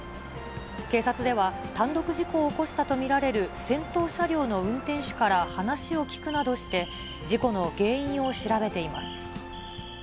警察では、単独事故を起こしたと見られる先頭車両の運転手から話を聞くなどして、事故の原因を調べています。